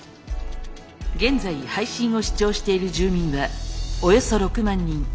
現在配信を視聴している住民はおよそ６万人。